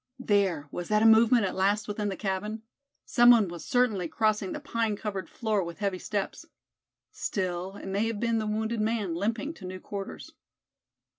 There, was that a movement at last within the cabin? Some one was certainly crossing the pine covered floor with heavy steps. Still, it may have been the wounded man, limping to new quarters.